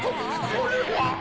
これは。